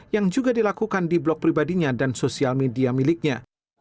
yang juga dilakukan di blok pribadinya dan sosial media miliknya